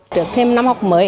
trước thêm năm học mới